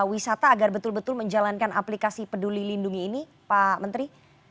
wisata agar betul betul menjalankan aplikasi peduli lindungi ini pak menteri